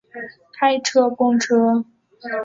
开车公车